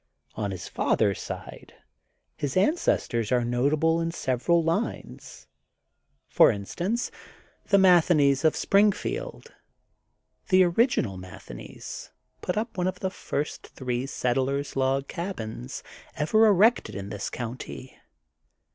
On his father's side his ancestors are notable in several lines, for instance, the Matheneys of Springfield. The original Matheneys put up one of the first three settlers ' log cabins ever erected in this county.